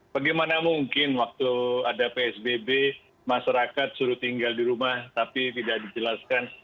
bagaimana mungkin waktu ada psbb masyarakat suruh tinggal di rumah tapi tidak dijelaskan